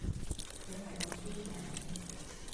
佢係個專名